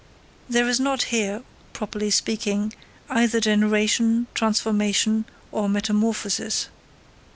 There is not here, properly speaking, either generation, transformation, or metamorphosis.